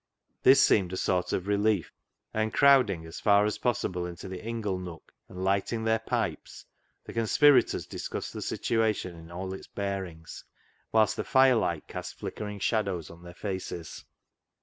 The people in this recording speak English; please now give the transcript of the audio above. This seemed a sort of relief, and crowd ing as far as possible into the ingle nook and lighting their pipes, the conspirators discussed the situation in all its bearings, whilst the fire light cast flickering shadows on their faces.